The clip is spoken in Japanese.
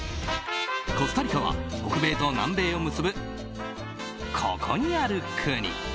コスタリカは北米と南米を結ぶここにある国。